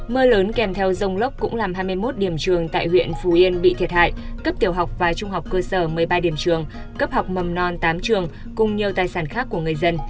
mưa lớn kèm theo rông lốc cũng làm hai mươi một điểm trường tại huyện phù yên bị thiệt hại cấp tiểu học và trung học cơ sở một mươi ba điểm trường cấp học mầm non tám trường cùng nhiều tài sản khác của người dân